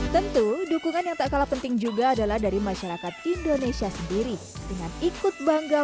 tentu dukungan yang tak kalah penting juga adalah dari masyarakat indonesia sendiri dengan ikut bangga